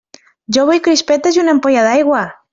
Jo vull crispetes i una ampolla d'aigua!